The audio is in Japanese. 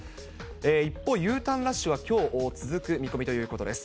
一方、Ｕターンラッシュは、きょう続く見込みということです。